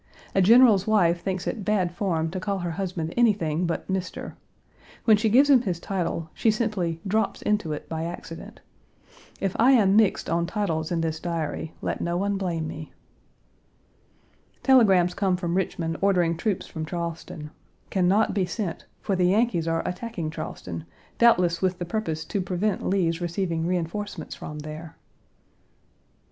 A general's wife thinks it bad form to call her husband anything but "Mr." When she gives him his title, she simply "drops" into it by accident. If I am "mixed" on titles in this diary, let no one blame me. Telegrams come from Richmond ordering troops from Charleston. Can not be sent, for the Yankees are attacking Charleston, doubtless with the purpose to prevent Lee's receiving reenforcements from there.